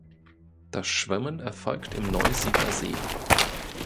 Das Schwimmen erfolgt im Neusiedler See.